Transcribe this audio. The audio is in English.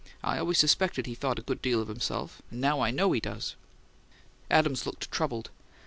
I always suspected he thought a good deal of himself, and now I know he does!" Adams looked troubled.